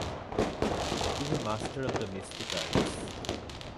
তুমি master of the mystic arts.